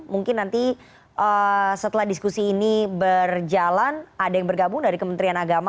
mungkin nanti setelah diskusi ini berjalan ada yang bergabung dari kementerian agama